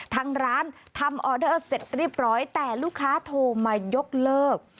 ทางร้านทำออเดอร์เสร็จเรียบร้อยแต่ลูกค้าโทรมายกเลิก